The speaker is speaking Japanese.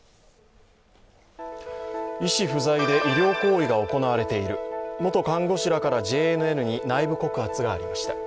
医師不在で医療行為が行われている、元看護師らからＪＮＮに内部告発がありました。